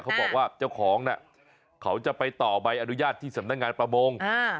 เขาบอกว่าเจ้าของน่ะเขาจะไปต่อใบอนุญาตที่สำนักงานประมง